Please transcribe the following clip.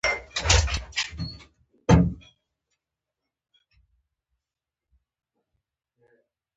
بس يو لوی خدای ته معلومه وه چې څه يې فکر و.